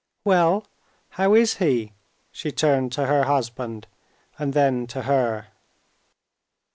"Well! how is he?" she turned to her husband and then to her.